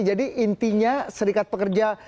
jadi intinya serikat pekerja